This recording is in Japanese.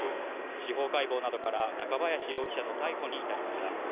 司法解剖などから、中林容疑者の逮捕に至りました。